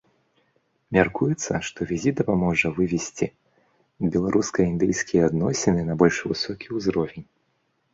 Мяркуецца, што візіт дапаможа вывесці беларуска-індыйскія адносіны на больш высокі ўзровень.